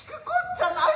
ちゃない